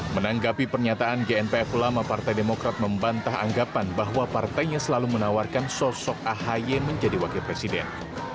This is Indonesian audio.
menanggapi pernyataan gnpf ulama partai demokrat membantah anggapan bahwa partainya selalu menawarkan sosok ahy menjadi wakil presiden